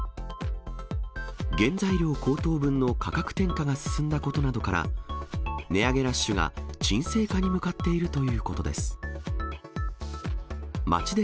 原材料高騰分の価格転嫁が進んだことなどから、値上げラッシュが沈静化に向かっているということです。